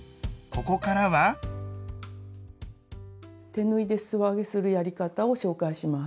手縫いですそ上げするやり方を紹介します。